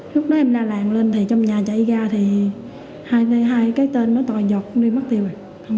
lúc đó em la làng lên thì trong nhà chạy ra thì hai cái tên nó tòi giọt đi mất tiêu rồi